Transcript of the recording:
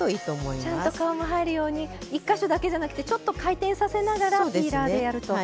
ちゃんと皮も入るように１か所だけじゃなく回転させながらピーラーでやると。